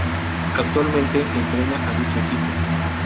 Actualmente entrena a dicho equipo.